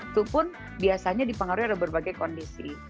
itu pun biasanya dipengaruhi oleh berbagai kondisi